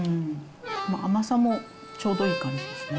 甘さもちょうどいい感じですね。